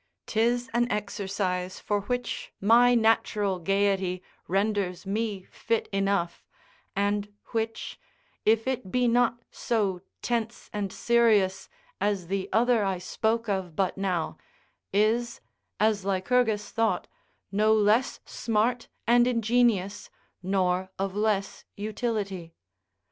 'Tis an exercise for which my natural gaiety renders me fit enough, and which, if it be not so tense and serious as the other I spoke of but now, is, as Lycurgus thought, no less smart and ingenious, nor of less utility.